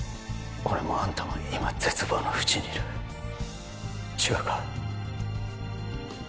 俺もあんたも今絶望のふちにいる違うか？